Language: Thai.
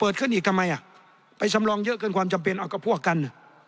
ขึ้นอีกทำไมอ่ะไปสำรองเยอะเกินความจำเป็นเอากับพวกกัน